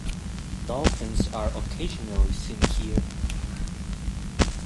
Dolphins are occasionally seen here.